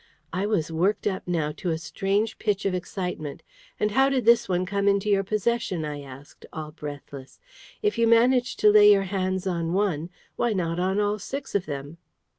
I was worked up now to a strange pitch of excitement. "And how did this one come into your possession?" I asked, all breathless. "If you managed to lay your hands on one, why not on all six of them?"